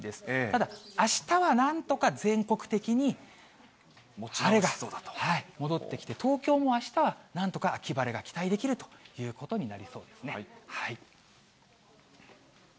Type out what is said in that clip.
ただ、あしたはなんとか全国的に晴れが戻ってきて、東京もあしたはなんとか秋晴れが期待できるということになりそうですね。